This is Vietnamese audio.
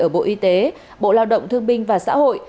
ở bộ y tế bộ lao động thương binh và xã hội